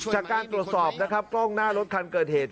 จากการตรวจสอบนะครับกล้องหน้ารถคันเกิดเหตุ